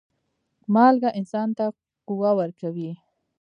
مالګه انسان ته قوه ورکوي.